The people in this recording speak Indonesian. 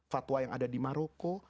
fatwa yang ada di maroko